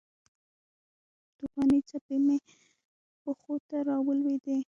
توپانې څپې مې پښو ته راولویدې